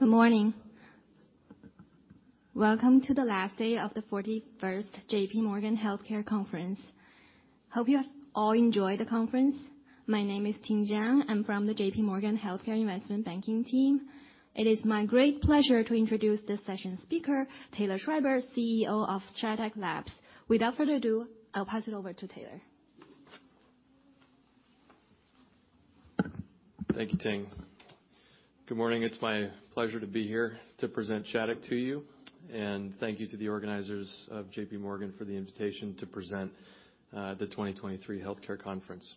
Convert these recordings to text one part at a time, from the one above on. Good morning. Welcome to the last day of the 41st JPMorgan Healthcare Conference. Hope you have all enjoyed the conference. My name is Ting Zhang. I'm from the JPMorgan Healthcare Investment Banking team. It is my great pleasure to introduce this session's speaker, Taylor Schreiber, CEO of Shattuck Labs. Without further ado, I'll pass it over to Taylor. Thank you, Ting. Good morning. It's my pleasure to be here to present Shattuck to you. Thank you to the organizers of JPMorgan for the invitation to present the 2023 Healthcare Conference.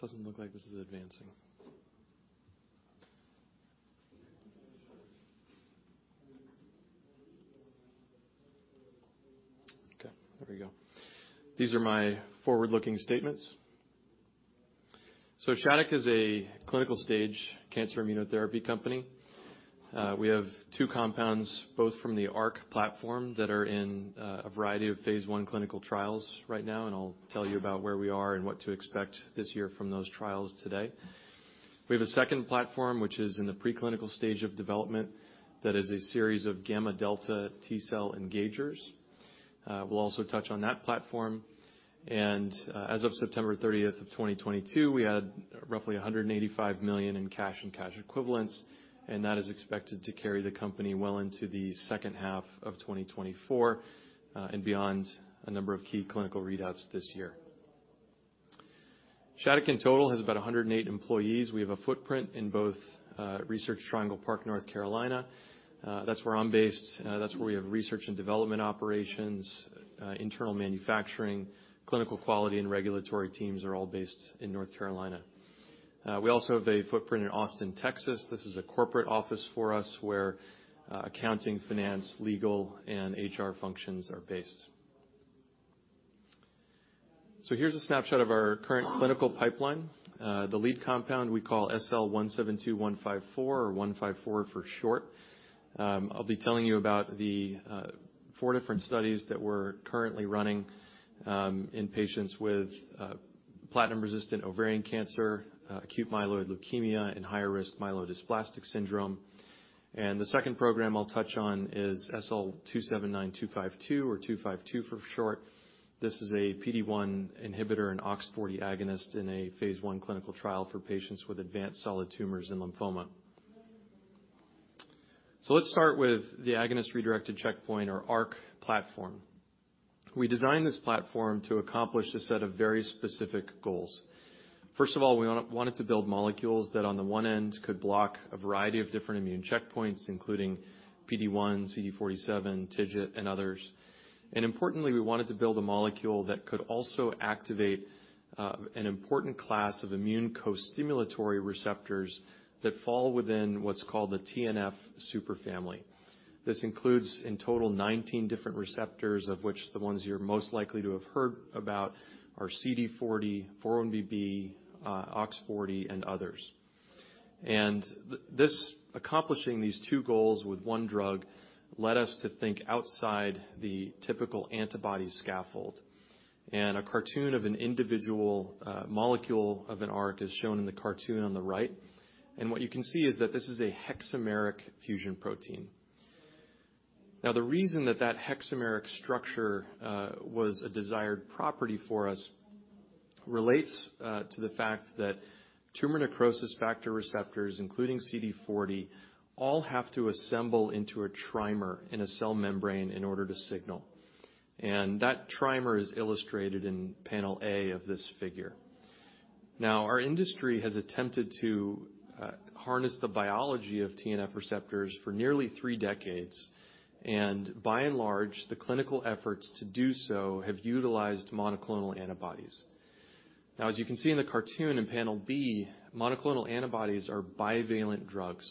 Doesn't look like this is advancing. Okay, there we go. These are my forward-looking statements. Shattuck is a clinical stage cancer immunotherapy company. We have two compounds, both from the ARC platform, that are in a variety of Phase I clinical trials right now. I'll tell you about where we are and what to expect this year from those trials today. We have a second platform, which is in the preclinical stage of development that is a series of gamma delta T-cell engagers. We'll also touch on that platform. As of September 30, 2022, we had roughly $185 million in cash and cash equivalents, and that is expected to carry the company well into the second half of 2024 and beyond a number of key clinical readouts this year. Shattuck in total has about 108 employees. We have a footprint in both Research Triangle Park, North Carolina, that's where I'm based, that's where we have research and development operations, internal manufacturing, clinical quality and regulatory teams are all based in North Carolina. We also have a footprint in Austin, Texas. This is a corporate office for us where accounting, finance, legal, and HR functions are based. Here's a snapshot of our current clinical pipeline. The lead compound we call SL-172154 or 154 for short. I'll be telling you about the four different studies that we're currently running in patients with platinum-resistant ovarian cancer, acute myeloid leukemia, and higher risk myelodysplastic syndrome. The second program I'll touch on is SL-279252 or 252 for short. This is a PD-1 inhibitor and OX-40 agonist in a Phase I clinical trial for patients with advanced solid tumors and lymphoma. Let's start with the agonist redirected checkpoint or ARC platform. We designed this platform to accomplish a set of very specific goals. First of all, we wanted to build molecules that on the one end could block a variety of different immune checkpoints, including PD-1, CD47, TIGIT, and others. Importantly, we wanted to build a molecule that could also activate an important class of immune co-stimulatory receptors that fall within what's called the TNF superfamily. This includes, in total, 19 different receptors, of which the ones you're most likely to have heard about are CD40, 4-1BB, OX-40, and others. Accomplishing these two goals with one drug led us to think outside the typical antibody scaffold. A cartoon of an individual molecule of an ARC is shown in the cartoon on the right, and what you can see is that this is a hexameric fusion protein. Now, the reason that that hexameric structure was a desired property for us relates to the fact that tumor necrosis factor receptors, including CD40, all have to assemble into a trimer in a cell membrane in order to signal. That trimer is illustrated in panel A of this figure. Our industry has attempted to harness the biology of TNF receptors for nearly three decades, and by and large, the clinical efforts to do so have utilized monoclonal antibodies. As you can see in the cartoon in panel B, monoclonal antibodies are bivalent drugs,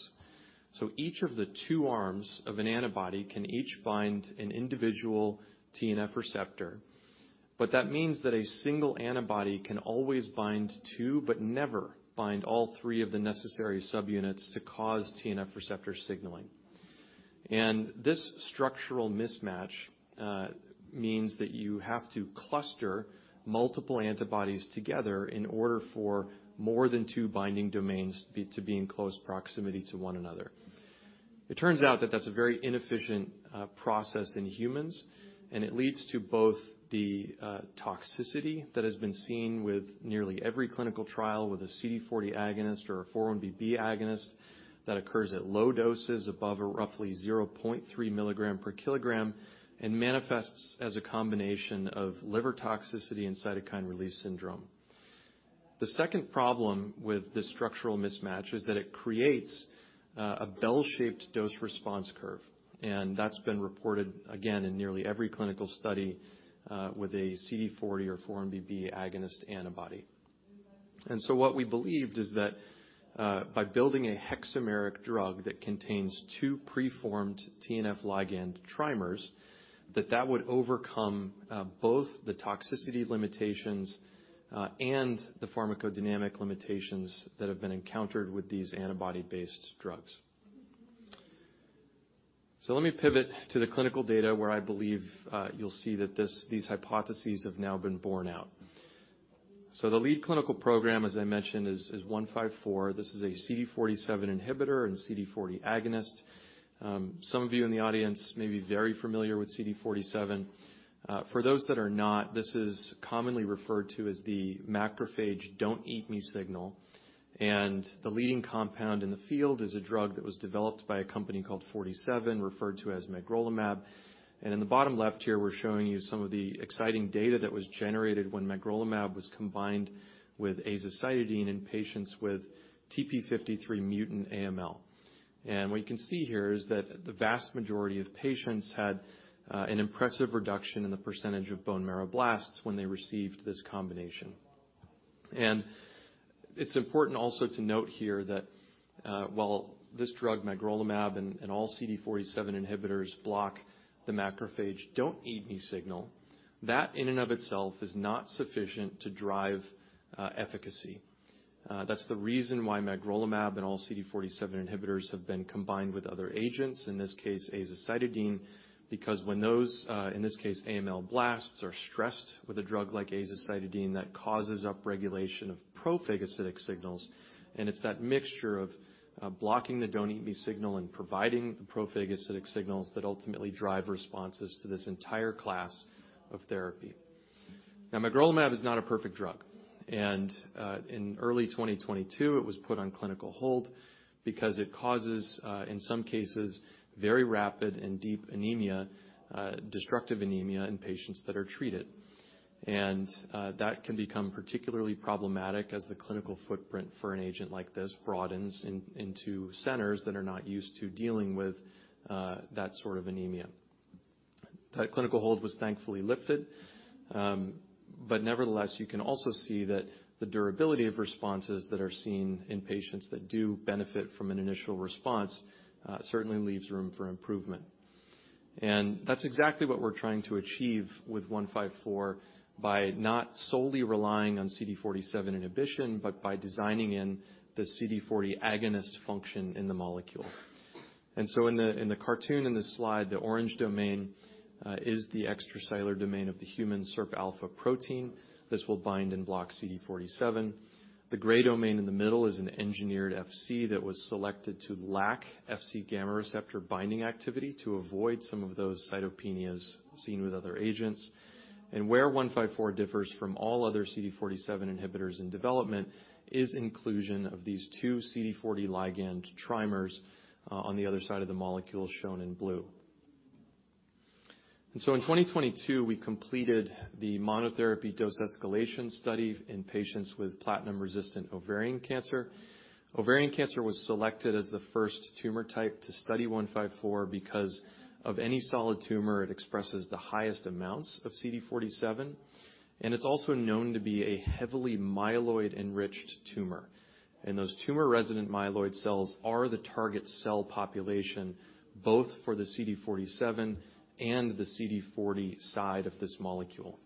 so each of the two arms of an antibody can each bind an individual TNF receptor. That means that a single antibody can always bind two but never bind all three of the necessary subunits to cause TNF receptor signaling. This structural mismatch means that you have to cluster multiple antibodies together in order for more than two binding domains to be in close proximity to one another. It turns out that that's a very inefficient process in humans, and it leads to both the toxicity that has been seen with nearly every clinical trial with a CD40 agonist or a 4-1BB agonist that occurs at low doses above a roughly 0.3 mg/kg and manifests as a combination of liver toxicity and cytokine release syndrome. The second problem with this structural mismatch is that it creates a bell-shaped dose response curve. That's been reported again in nearly every clinical study with a CD40 or 4-1BB agonist antibody. What we believed is that, by building a hexameric drug that contains two preformed TNF ligand trimers, that that would overcome both the toxicity limitations and the pharmacodynamic limitations that have been encountered with these antibody-based drugs. Let me pivot to the clinical data where I believe, you'll see that these hypotheses have now been borne out. The lead clinical program, as I mentioned, is 154. This is a CD47 inhibitor and CD40 agonist. Some of you in the audience may be very familiar with CD47. For those that are not, this is commonly referred to as the macrophage "don't eat me" signal. The leading compound in the field is a drug that was developed by a company called Forty Seven, referred to as magrolimab. In the bottom left here, we're showing you some of the exciting data that was generated when magrolimab was combined with azacitidine in patients with TP53 mutant AML. What you can see here is that the vast majority of patients had an impressive reduction in the percentage of bone marrow blasts when they received this combination. It's important also to note here that while this drug, magrolimab, and all CD47 inhibitors block the macrophage "don't eat me" signal, that in and of itself is not sufficient to drive efficacy. That's the reason why magrolimab and all CD47 inhibitors have been combined with other agents, in this case azacitidine, because when those, in this case, AML blasts, are stressed with a drug like azacitidine, that causes upregulation of pro-phagocytic signals. It's that mixture of blocking the "don't eat me" signal and providing the pro-phagocytic signals that ultimately drive responses to this entire class of therapy. Magrolimab is not a perfect drug. In early 2022 it was put on clinical hold because it causes, in some cases, very rapid and deep anemia, destructive anemia in patients that are treated. That can become particularly problematic as the clinical footprint for an agent like this broadens into centers that are not used to dealing with that sort of anemia. That clinical hold was thankfully lifted. Nevertheless, you can also see that the durability of responses that are seen in patients that do benefit from an initial response, certainly leaves room for improvement. That's exactly what we're trying to achieve with 154, by not solely relying on CD47 inhibition, but by designing in the CD40 agonist function in the molecule. In the cartoon in this slide, the orange domain is the extracellular domain of the human SIRPα protein. This will bind and block CD47. The gray domain in the middle is an engineered Fc that was selected to lack Fc-gamma receptor binding activity to avoid some of those cytopenias seen with other agents. Where 154 differs from all other CD47 inhibitors in development is inclusion of these two CD40 ligand trimers on the other side of the molecule shown in blue. In 2022, we completed the monotherapy dose escalation study in patients with platinum-resistant ovarian cancer. Ovarian cancer was selected as the first tumor type to study SL-172154 because of any solid tumor, it expresses the highest amounts of CD47, and it's also known to be a heavily myeloid-enriched tumor. Those tumor-resident myeloid cells are the target cell population, both for the CD47 and the CD40 side of this molecule.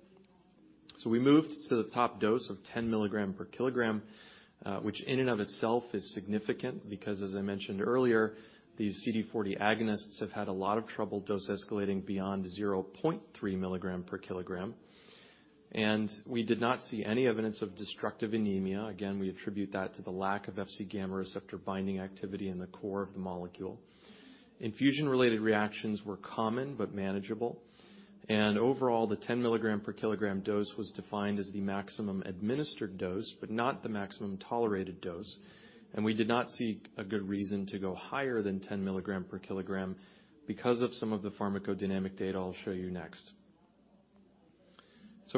We moved to the top dose of 10 mg/kg, which in and of itself is significant because, as I mentioned earlier, these CD40 agonists have had a lot of trouble dose escalating beyond 0.3 mg/kg. We did not see any evidence of destructive anemia. Again, we attribute that to the lack of Fc-gamma receptor binding activity in the core of the molecule. Infusion-related reactions were common but manageable. Overall, the 10 mg/kg dose was defined as the maximum administered dose, but not the maximum tolerated dose. We did not see a good reason to go higher than 10 mg/kg because of some of the pharmacodynamic data I'll show you next.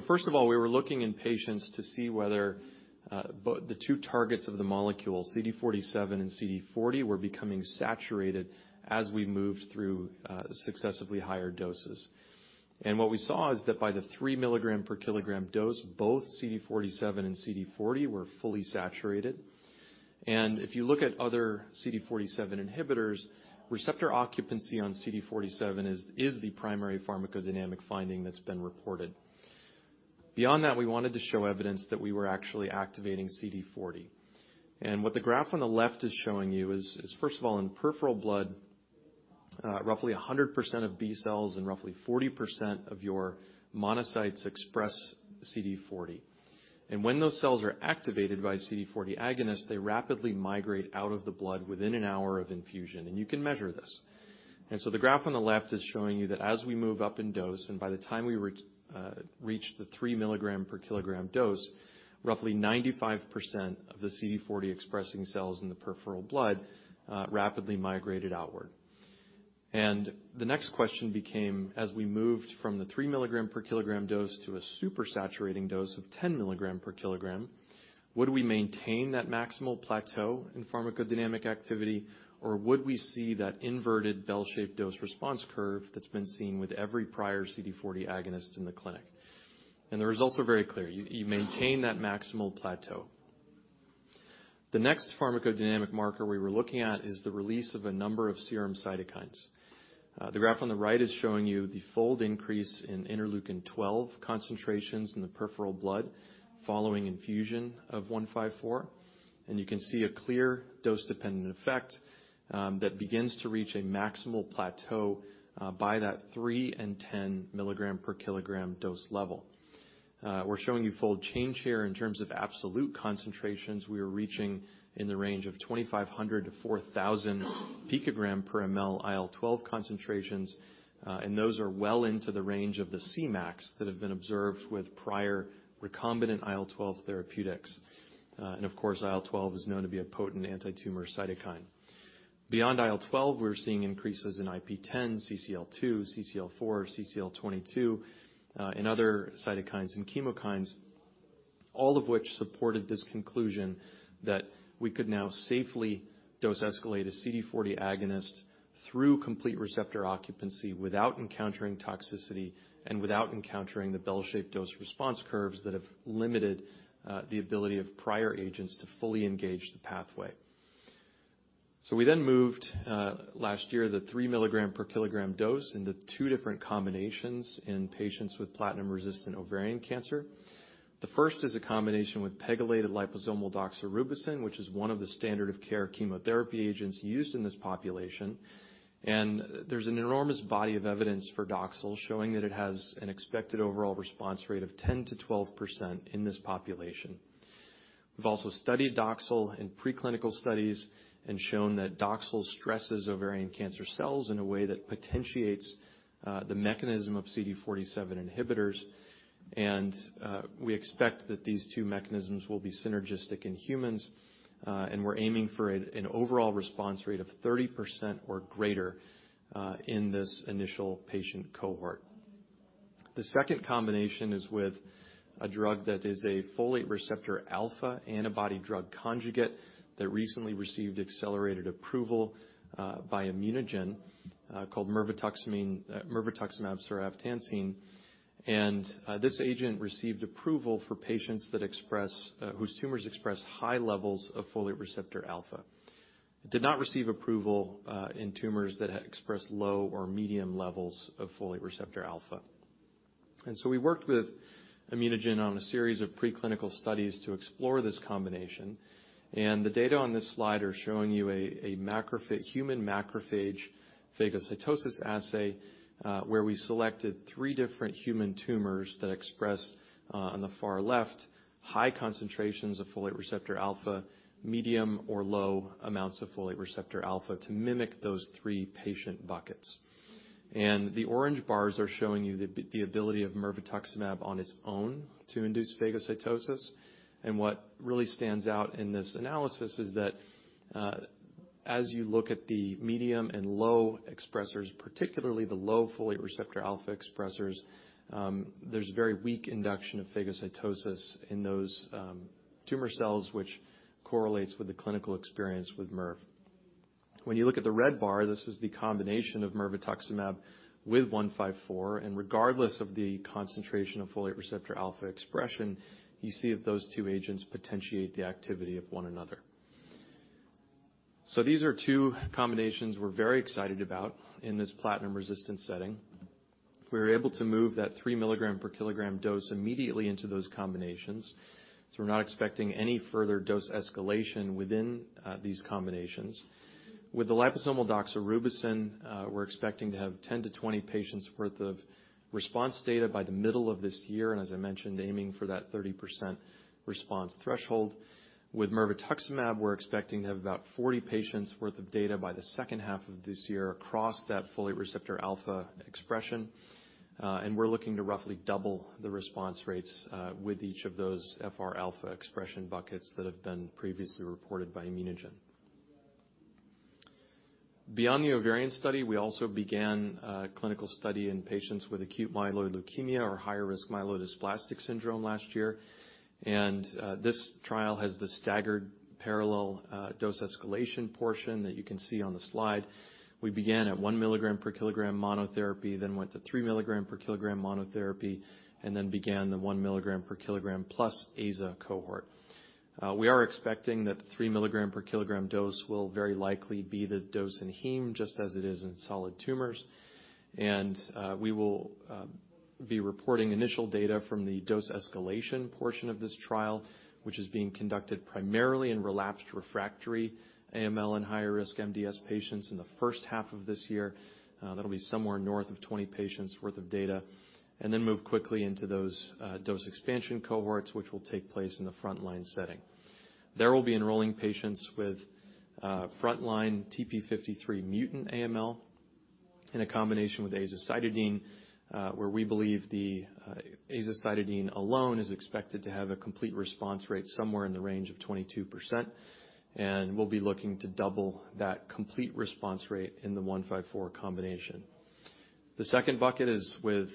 First of all, we were looking in patients to see whether the two targets of the molecule, CD47 and CD40, were becoming saturated as we moved through successively higher doses. What we saw is that by the 3 mg/kg dose, both CD47 and CD40 were fully saturated. If you look at other CD47 inhibitors, receptor occupancy on CD47 is the primary pharmacodynamic finding that's been reported. Beyond that, we wanted to show evidence that we were actually activating CD40. What the graph on the left is showing you is first of all, in peripheral blood, roughly 100% of B-cells and roughly 40% of your monocytes express CD40. When those cells are activated by CD40 agonists, they rapidly migrate out of the blood within an hour of infusion, and you can measure this. The graph on the left is showing you that as we move up in dose, and by the time we reach the 3 mg/kg dose, roughly 95% of the CD40 expressing cells in the peripheral blood, rapidly migrated outward. The next question became, as we moved from the 3 mg/kg dose to a super saturating dose of 10 mg/kg, would we maintain that maximal plateau in pharmacodynamic activity? Would we see that inverted bell-shaped dose response curve that's been seen with every prior CD40 agonist in the clinic? The results are very clear. You maintain that maximal plateau. The next pharmacodynamic marker we were looking at is the release of a number of serum cytokines. The graph on the right is showing you the fold increase in IL-12 concentrations in the peripheral blood following infusion of SL-172154. You can see a clear dose-dependent effect that begins to reach a maximal plateau by that 3 and 10 mg/kg dose level. We're showing you fold change here in terms of absolute concentrations we are reaching in the range of 2,500-4,000 picogram per ML IL-12 concentrations, and those are well into the range of the C-max that have been observed with prior recombinant IL-12 therapeutics. Of course, IL-12 is known to be a potent antitumor cytokine. Beyond IL-12, we're seeing increases in IP-10, CCL2, CCL4, CCL22, and other cytokines and chemokines, all of which supported this conclusion that we could now safely dose escalate a CD40 agonist through complete receptor occupancy without encountering toxicity and without encountering the bell-shaped dose response curves that have limited the ability of prior agents to fully engage the pathway. We then moved, last year, the 3 mg/kg dose into two different combinations in patients with platinum-resistant ovarian cancer. The first is a combination with pegylated liposomal doxorubicin, which is one of the standard of care chemotherapy agents used in this population. There's an enormous body of evidence for Doxil showing that it has an expected overall response rate of 10%-12% in this population. We've also studied Doxil in preclinical studies and shown that Doxil stresses ovarian cancer cells in a way that potentiates the mechanism of CD47 inhibitors. We expect that these two mechanisms will be synergistic in humans, and we're aiming for an overall response rate of 30% or greater in this initial patient cohort. The second combination is with a drug that is a Folate receptor alpha antibody drug conjugate that recently received accelerated approval by ImmunoGen called mirvetuximab soravtansine. This agent received approval for patients whose tumors express high levels of Folate receptor alpha. It did not receive approval in tumors that expressed low or medium levels of Folate receptor alpha. We worked with ImmunoGen on a series of preclinical studies to explore this combination, and the data on this slide are showing you a human macrophage phagocytosis assay, where we selected three different human tumors that express on the far left, high concentrations of Folate receptor alpha, medium or low amounts of Folate receptor alpha to mimic those three patient buckets. The orange bars are showing you the ability of mirvetuximab on its own to induce phagocytosis. What really stands out in this analysis is that as you look at the medium and low expressers, particularly the low Folate receptor alpha expressers, there's very weak induction of phagocytosis in those tumor cells, which correlates with the clinical experience with mirv. When you look at the red bar, this is the combination of mirvetuximab with SL-172154. Regardless of the concentration of Folate receptor alpha expression, you see that those two agents potentiate the activity of one another. These are two combinations we're very excited about in this platinum-resistant setting. We were able to move that 3 mg/kg dose immediately into those combinations, so we're not expecting any further dose escalation within these combinations. With the liposomal doxorubicin, we're expecting to have 10-20 patients worth of response data by the middle of this year. As I mentioned, aiming for that 30% response threshold. With mirvetuximab, we're expecting to have about 40 patients worth of data by the second half of this year across that Folate receptor alpha expression. We're looking to roughly double the response rates, with each of those FR alpha expression buckets that have been previously reported by ImmunoGen. Beyond the ovarian study, we also began a clinical study in patients with acute myeloid leukemia or higher risk myelodysplastic syndrome last year. This trial has the staggered parallel, dose escalation portion that you can see on the slide. We began at 1 mg/kg monotherapy, then went to 3 mg/kg monotherapy, and then began the 1 mg/kg plus AZA cohort. We are expecting that the 3 mg/kg dose will very likely be the dose in Heme, just as it is in solid tumors. We will be reporting initial data from the dose escalation portion of this trial, which is being conducted primarily in relapsed refractory AML and higher risk MDS patients in the first half of this year. That'll be somewhere north of 20 patients worth of data. Move quickly into those dose expansion cohorts, which will take place in the frontline setting. There we'll be enrolling patients with frontline TP53 mutant AML in a combination with azacitidine, where we believe the azacitidine alone is expected to have a complete response rate somewhere in the range of 22%, and we'll be looking to double that complete response rate in the 154 combination. The second bucket is with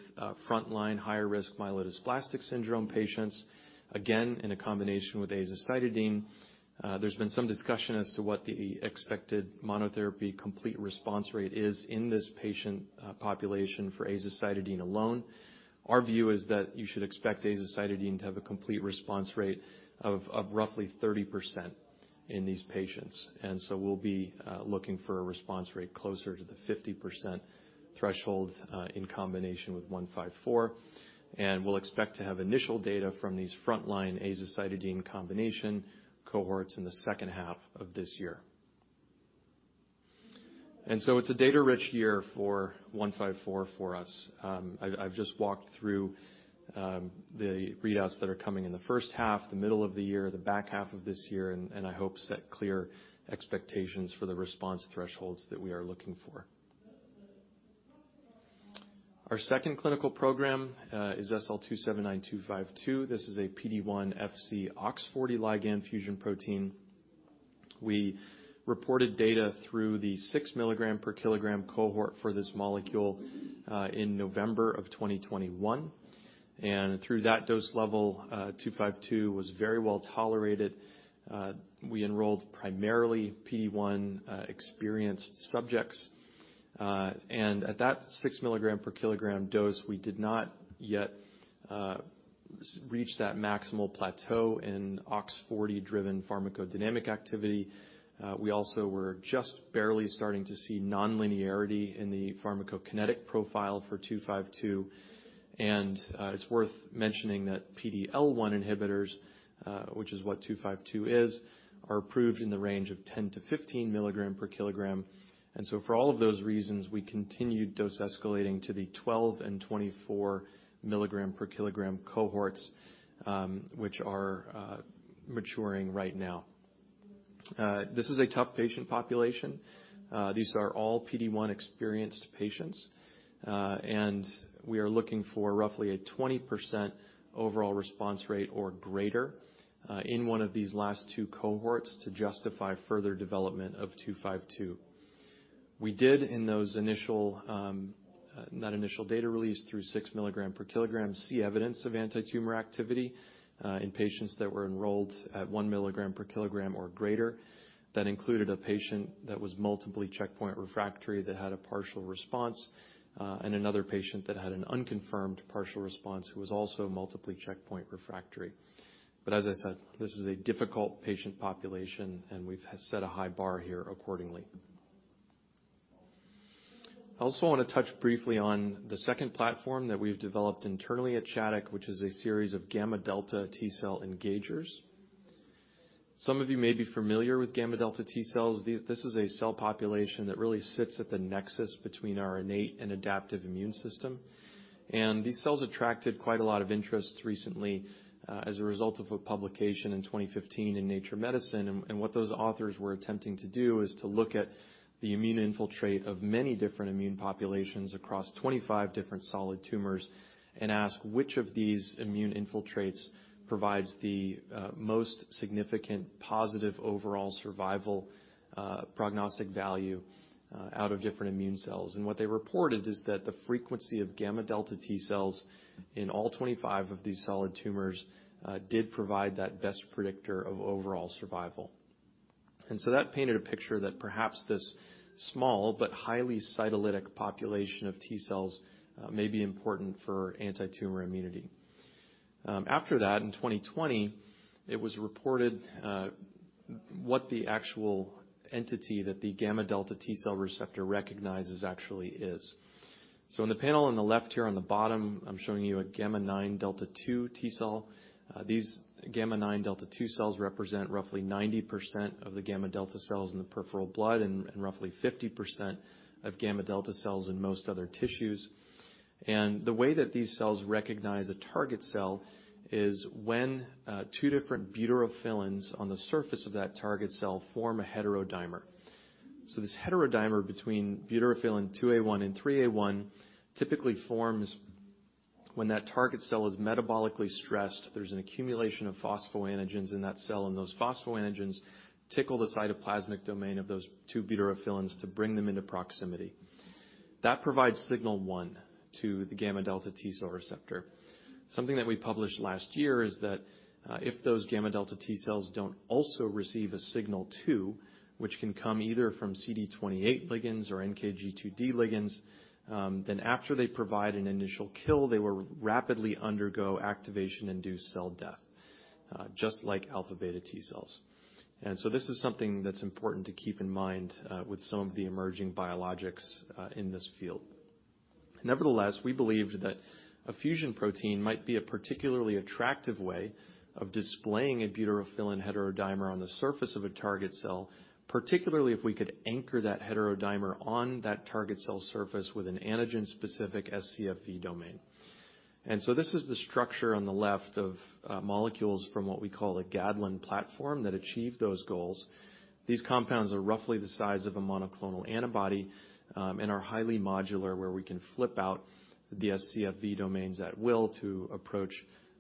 frontline higher risk myelodysplastic syndrome patients, again, in a combination with azacitidine. There's been some discussion as to what the expected monotherapy complete response rate is in this patient population for azacitidine alone. Our view is that you should expect azacitidine to have a complete response rate of roughly 30% in these patients. We'll be looking for a response rate closer to the 50% threshold in combination with 154. We'll expect to have initial data from these frontline azacitidine combination cohorts in the second half of this year. It's a data-rich year for 154 for us. I've just walked through the readouts that are coming in the first half, the middle of the year, the back half of this year, and I hope set clear expectations for the response thresholds that we are looking for. Our second clinical program is SL-279252. This is a PD-1 FC OX-40 ligand fusion protein. We reported data through the 6 mg/kg cohort for this molecule in November of 2021. Through that dose level, 252 was very well tolerated. We enrolled primarily PD-1 experienced subjects. At that 6 mg/kg dose, we did not yet reach that maximal plateau in OX-40-driven pharmacodynamic activity. We also were just barely starting to see nonlinearity in the pharmacokinetic profile for 252. It's worth mentioning that PDL-1 inhibitors, which is what 252 is, are approved in the range of 10 mg/kg-15 mg/kg. For all of those reasons, we continued dose escalating to the 12 and 24 mg/kg cohorts, which are maturing right now. This is a tough patient population. These are all PD-1-experienced patients. We are looking for roughly a 20% overall response rate or greater in one of these last two cohorts to justify further development of 252. We did in those not initial data release through 6 mg/kg, see evidence of antitumor activity in patients that were enrolled at 1 mg/kg or greater. That included a patient that was multiply checkpoint refractory that had a partial response, and another patient that had an unconfirmed partial response who was also multiply checkpoint refractory. As I said, this is a difficult patient population, and we've set a high bar here accordingly. I also wanna touch briefly on the second platform that we've developed internally at Shattuck, which is a series of gamma delta T-cell engagers. Some of you may be familiar with gamma delta T-cells. This is a cell population that really sits at the nexus between our innate and adaptive immune system. These cells attracted quite a lot of interest recently, as a result of a publication in 2015 in Nature Medicine. What those authors were attempting to do is to look at the immune infiltrate of many different immune populations across 25 different solid tumors and ask which of these immune infiltrates provides the most significant positive overall survival prognostic value out of different immune cells. What they reported is that the frequency of gamma delta T-cells in all 25 of these solid tumors did provide that best predictor of overall survival. That painted a picture that perhaps this small but highly cytolytic population of T-cells may be important for antitumor immunity. After that, in 2020, it was reported what the actual entity that the gamma delta T-cell receptor recognizes actually is. In the panel on the left here on the bottom, I'm showing you a gamma 9 delta 2 T-cell. These gamma 9 delta 2 cells represent roughly 90% of the gamma delta cells in the peripheral blood and roughly 50% of gamma delta cells in most other tissues. The way that these cells recognize a target cell is when two different Butyrophilins on the surface of that target cell form a heterodimer. This heterodimer between Butyrophilin 2A1 and 3A1 typically forms when that target cell is metabolically stressed, there's an accumulation of phosphoantigens in that cell, and those phosphoantigens tickle the cytoplasmic domain of those two Butyrophilins to bring them into proximity. That provides signal 1 to the gamma delta T-cell receptor. Something that we published last year is that, if those gamma delta T-cells don't also receive a signal 2, which can come either from CD28 ligands or NKG2D ligands, then after they provide an initial kill, they will rapidly undergo activation-induced cell death, just like alpha-beta T-cells. This is something that's important to keep in mind, with some of the emerging biologics, in this field. Nevertheless, we believed that a fusion protein might be a particularly attractive way of displaying a butyrophilin heterodimer on the surface of a target cell, particularly if we could anchor that heterodimer on that target cell surface with an antigen-specific scFv domain. This is the structure on the left of molecules from what we call a GADLEN platform that achieve those goals. These compounds are roughly the size of a monoclonal antibody and are highly modular, where we can flip out the scFv domains at will to approach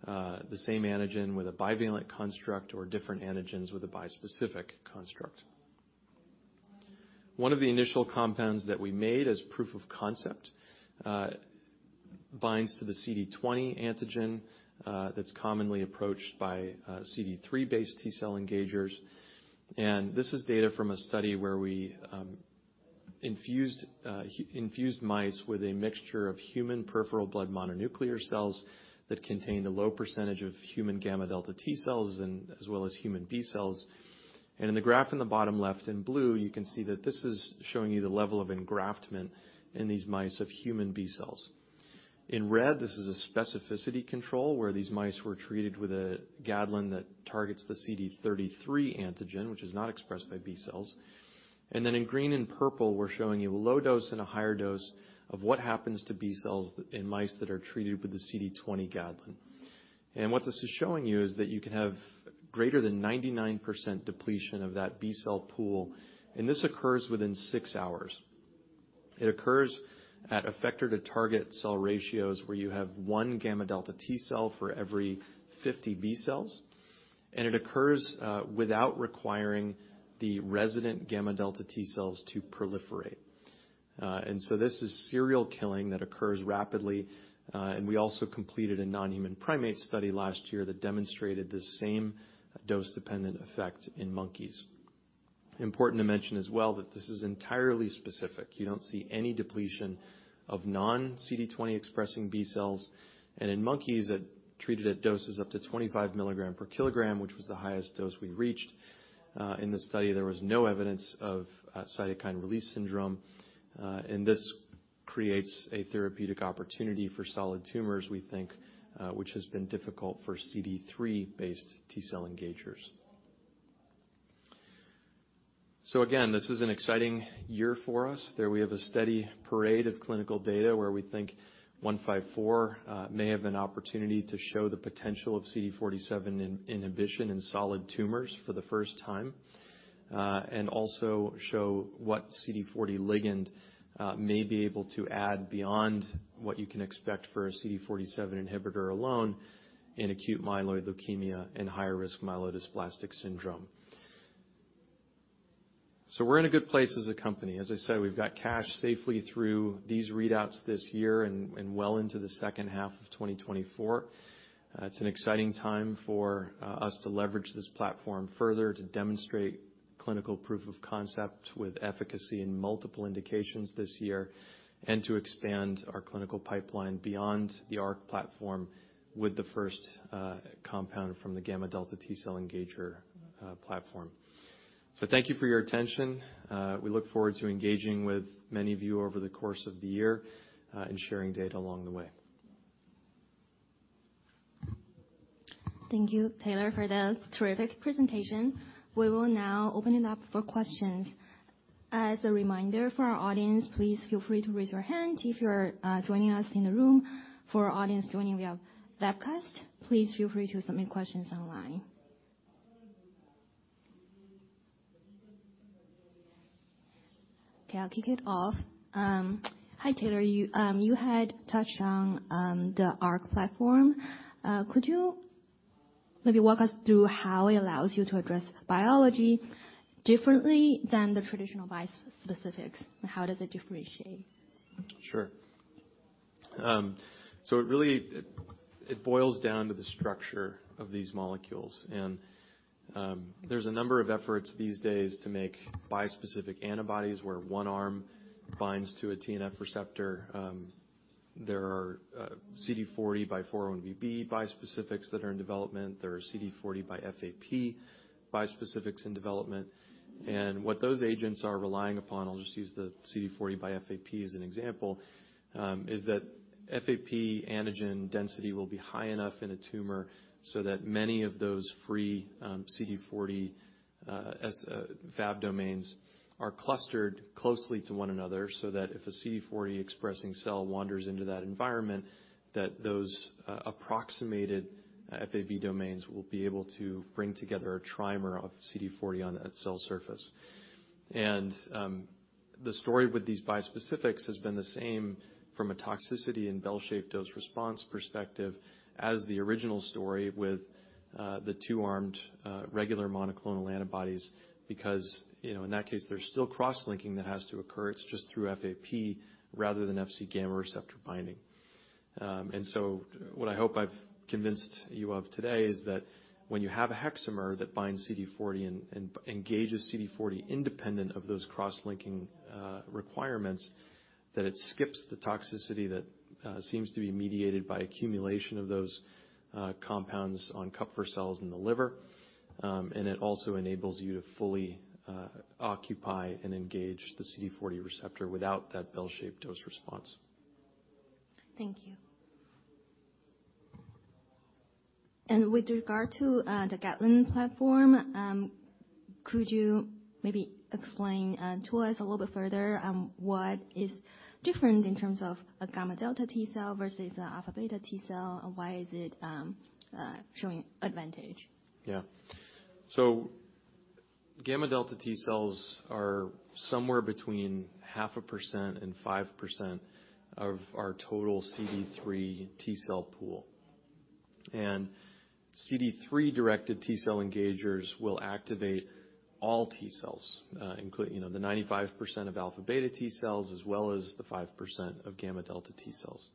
the same antigen with a bivalent construct or different antigens with a bispecific construct. One of the initial compounds that we made as proof of concept binds to the CD20 antigen that's commonly approached by CD3-based T-cell engagers. This is data from a study where we infused mice with a mixture of human peripheral blood mononuclear cells that contained a low percentage of human gamma delta T-cells as well as human B-cells. In the graph in the bottom left in blue, you can see that this is showing you the level of engraftment in these mice of human B-cells. In red, this is a specificity control where these mice were treated with a GADLEN that targets the CD33 antigen, which is not expressed by B-cells. In green and purple, we're showing you a low dose and a higher dose of what happens to B-cells in mice that are treated with the CD20 GADLEN. What this is showing you is that you can have greater than 99% depletion of that B-cell pool, and this occurs within six hours. It occurs at effector-to-target cell ratios where you have 1 gamma delta T-cell for every 50 B-cells, and it occurs without requiring the resident gamma delta T-cells to proliferate. This is serial killing that occurs rapidly. We also completed a non-human primate study last year that demonstrated the same dose-dependent effect in monkeys. Important to mention as well that this is entirely specific. You don't see any depletion of non-CD20 expressing B-cells. In monkeys that treated at doses up to 25 mg/kg, which was the highest dose we reached in the study, there was no evidence of cytokine release syndrome. This creates a therapeutic opportunity for solid tumors, we think, which has been difficult for CD3-based T-cell engagers. This is an exciting year for us. There we have a steady parade of clinical data where we think 154 may have an opportunity to show the potential of CD47 inhibition in solid tumors for the first time, and also show what CD40 ligand may be able to add beyond what you can expect for a CD47 inhibitor alone in acute myeloid leukemia and higher risk myelodysplastic syndrome. We're in a good place as a company. As I said, we've got cash safely through these readouts this year and well into the second half of 2024. It's an exciting time for us to leverage this platform further to demonstrate clinical proof of concept with efficacy in multiple indications this year, and to expand our clinical pipeline beyond the ARC platform with the first compound from the gamma delta T-cell engager platform. Thank you for your attention. We look forward to engaging with many of you over the course of the year, and sharing data along the way. Thank you, Taylor, for the terrific presentation. We will now open it up for questions. As a reminder for our audience, please feel free to raise your hand if you're joining us in the room. For our audience joining via webcast, please feel free to submit questions online. I'll kick it off. Hi, Taylor. You had touched on the ARC platform. Could you maybe walk us through how it allows you to address biology differently than the traditional bispecifics, and how does it differentiate? Sure. It really boils down to the structure of these molecules. There's a number of efforts these days to make bispecific antibodies where one arm binds to a TNF receptor, there are CD40 by 4-1BB bispecifics that are in development. There are CD40 by FAP bispecifics in development. What those agents are relying upon, I'll just use the CD40 by FAP as an example, is that FAP antigen density will be high enough in a tumor so that many of those free CD40 Fab domains are clustered closely to one another, so that if a CD40 expressing cell wanders into that environment, that those approximated Fab domains will be able to bring together a trimer of CD40 on a cell surface. The story with these bispecifics has been the same from a toxicity and bell-shaped dose response perspective as the original story with the two-armed regular monoclonal antibodies. You know, in that case, there's still cross-linking that has to occur. It's just through FAP rather than Fc-gamma receptor binding. What I hope I've convinced you of today is that when you have a hexamer that binds CD40 and engages CD40 independent of those cross-linking requirements, that it skips the toxicity that seems to be mediated by accumulation of those compounds on Kupffer cells in the liver. It also enables you to fully occupy and engage the CD40 receptor without that bell-shaped dose response. Thank you. With regard to the GADLEN platform, could you maybe explain to us a little bit further on what is different in terms of a gamma delta T-cell versus a alpha-beta T-cell, and why is it showing advantage? gamma delta T-cells are somewhere between 0.5% and 5% of our total CD3 T-cell pool. CD3-directed T-cell engagers will activate all T-cells, including, you know, the 95% of alpha-beta T-cells, as well as the 5% of gamma delta T-cells.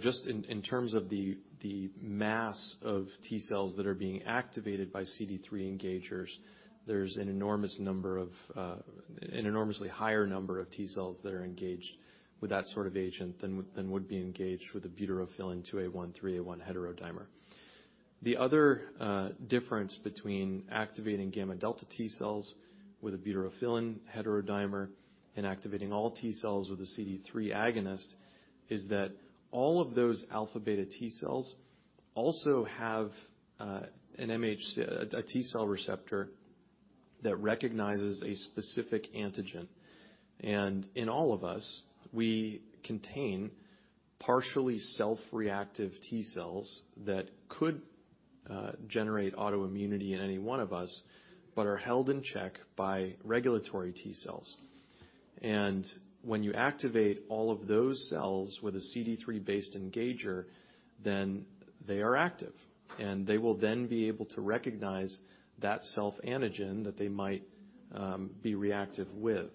just in terms of the mass of T-cells that are being activated by CD3 engagers, there's an enormous number of, an enormously higher number of T-cells that are engaged with that sort of agent than would be engaged with a Butyrophilin 2A1 3A1 heterodimer. The other difference between activating gamma delta T-cells with a Butyrophilin heterodimer and activating all T-cells with a CD3 agonist, is that all of those alpha-beta T-cells also have a T-cell receptor that recognizes a specific antigen. In all of us, we contain partially self-reactive T-cells that could generate autoimmunity in any one of us, but are held in check by regulatory T-cells. When you activate all of those cells with a CD3-based engager, then they are active, and they will then be able to recognize that self-antigen that they might be reactive with.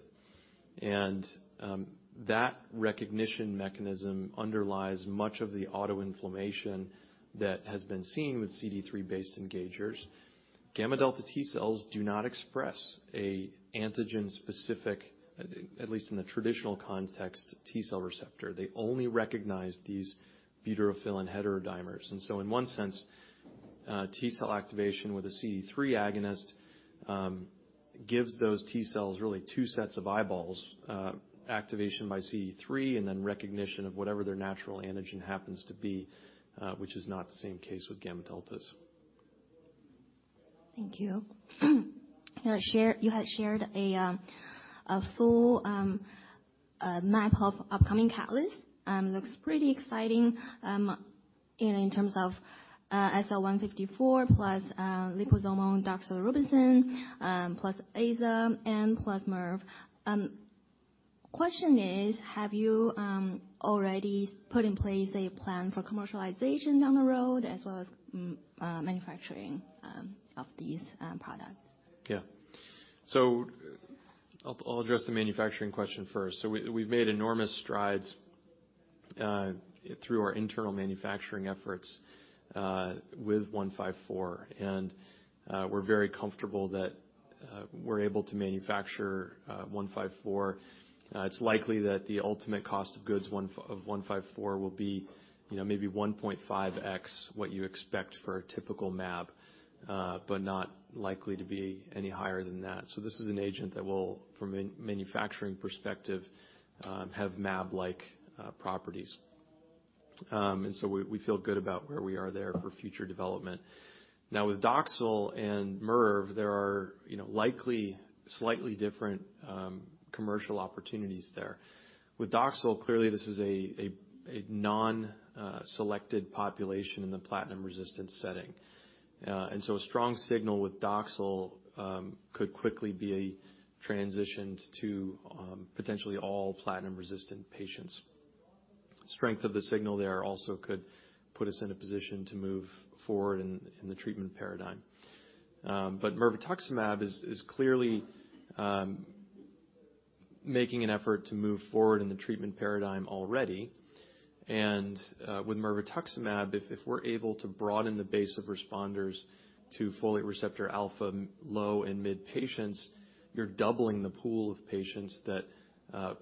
That recognition mechanism underlies much of the autoinflammation that has been seen with CD3-based engagers. gamma delta T-cells do not express a antigen specific, at least in the traditional context, T-cell receptor. They only recognize these Butyrophilin heterodimers. In one sense, T-cell activation with a CD3 agonist gives those T-cells really two sets of eyeballs, activation by CD3, and then recognition of whatever their natural antigen happens to be, which is not the same case with gamma deltas. Thank you. Now you had shared a full map of upcoming catalysts. Looks pretty exciting in terms of SL-172154 plus liposomal doxorubicin plus AZA and plus MIRV. Question is, have you already put in place a plan for commercialization down the road as well as manufacturing of these products? I'll address the manufacturing question first. We've made enormous strides through our internal manufacturing efforts with SL-172154. We're very comfortable that we're able to manufacture SL-172154. It's likely that the ultimate cost of goods of SL-172154 will be, you know, maybe 1.5x what you expect for a typical mAb, but not likely to be any higher than that. This is an agent that will from a manufacturing perspective have mAb like properties. We feel good about where we are there for future development. With Doxil and Mirv, there are, you know, likely slightly different commercial opportunities there. With Doxil, clearly this is a non-selected population in the platinum-resistant setting. A strong signal with Doxil could quickly be transitioned to potentially all platinum-resistant patients. Strength of the signal there also could put us in a position to move forward in the treatment paradigm. Mirvetuximab is clearly making an effort to move forward in the treatment paradigm already. With mirvetuximab, if we're able to broaden the base of responders to folate receptor alpha low and mid patients, you're doubling the pool of patients that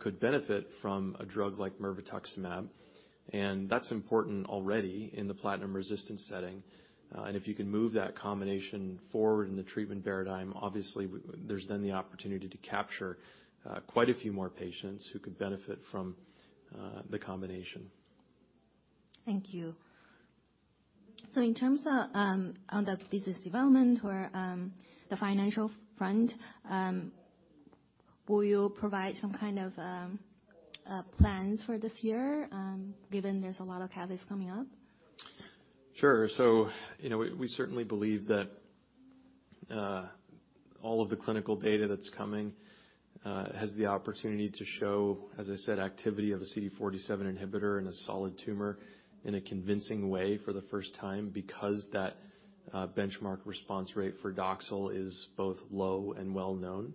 could benefit from a drug like mirvetuximab. That's important already in the platinum-resistant setting. If you can move that combination forward in the treatment paradigm, obviously there's then the opportunity to capture quite a few more patients who could benefit from the combination. Thank you. In terms of on the business development or the financial front, will you provide some kind of plans for this year, given there's a lot of catalysts coming up? Sure. You know, we certainly believe that all of the clinical data that's coming has the opportunity to show, as I said, activity of a CD47 inhibitor in a solid tumor in a convincing way for the first time, because that benchmark response rate for Doxil is both low and well-known.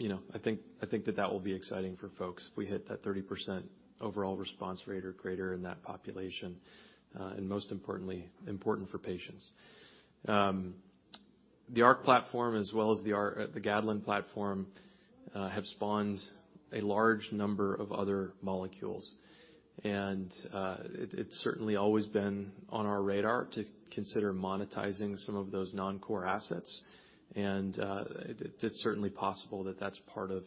You know, I think that will be exciting for folks if we hit that 30% overall response rate or greater in that population, and most importantly, important for patients. The ARC platform as well as the GADLEN platform have spawned a large number of other molecules. It's certainly always been on our radar to consider monetizing some of those non-core assets. It's certainly possible that that's part of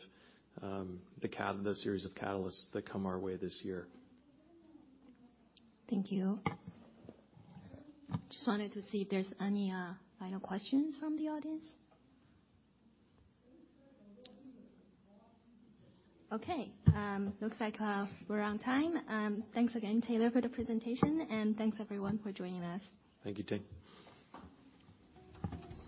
the series of catalysts that come our way this year. Thank you. Just wanted to see if there's any final questions from the audience? Okay. Looks like we're on time. Thanks again, Taylor, for the presentation, and thanks everyone for joining us. Thank you, Ting.